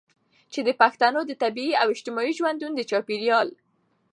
چې د پښتنو د طبیعي او اجتماعي ژوندون د چاپیریال